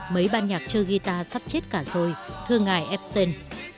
mấy ban nhạc chơi guitar sắp chết cả rồi thương ngại esten